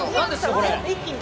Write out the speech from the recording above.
これ。